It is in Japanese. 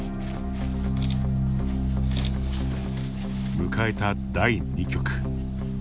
迎えた第二局。